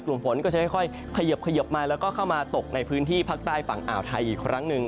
กลุ่มฝนก็จะค่อยเขยิบมาแล้วก็เข้ามาตกในพื้นที่ภาคใต้ฝั่งอ่าวไทยอีกครั้งหนึ่ง